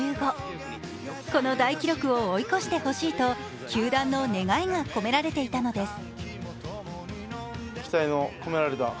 この大記録を追い越してほしいと、球団の願いが込められていたのです。